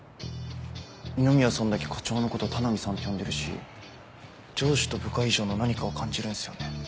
二宮さんだけ課長のこと「田波さん」って呼んでるし上司と部下以上の何かを感じるんすよね。